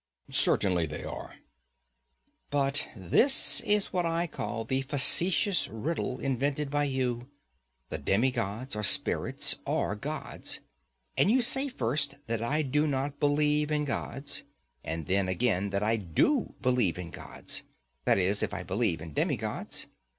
Certainly they are. But this is what I call the facetious riddle invented by you: the demigods or spirits are gods, and you say first that I do not believe in gods, and then again that I do believe in gods; that is, if I believe in demigods.